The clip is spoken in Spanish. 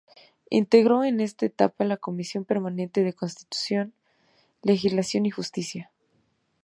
Integró en esta etapa la comisión permanente de Constitución, Legislación y Justicia.